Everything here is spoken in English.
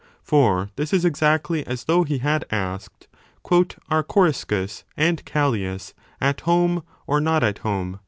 For this is exactly as though he had asked Are Coriscus and Callias at home or not at home